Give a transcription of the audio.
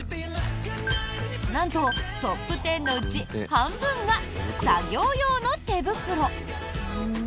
なんとトップ１０のうち半分が作業用の手袋。